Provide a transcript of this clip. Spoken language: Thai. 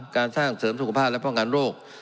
การสร้างเสริมสุขภาพและป้องกันโรค